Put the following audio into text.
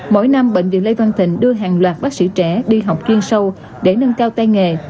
mỗi năm bệnh viện lê văn tình đưa hàng loạt bác sĩ trẻ đi học chuyên sâu để nâng cao tay nghề